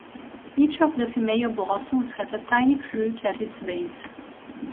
Each of the female blossoms has a tiny fruit at its base.